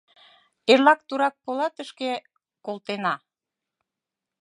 Эрлак турак полатышке колтена...